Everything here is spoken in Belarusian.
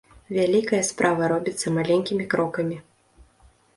Вялікая справа робіцца маленькімі крокамі.